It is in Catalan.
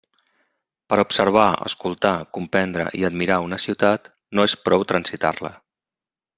Per a observar, escoltar, comprendre i admirar una ciutat no és prou transitar-la.